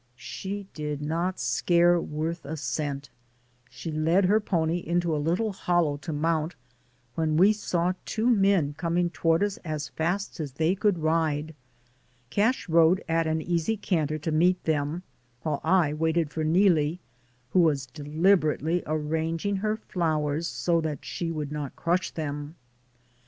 She did not scare worth a cent. She led her pony into a little hollow to mount when we saw two men coming toward us as fast as they could ride. Cash rode at an easy canter to meet them, while I waited for Neelie, who was deliberately arranging her flowers so that she would not crush them.